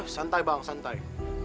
santai bang santai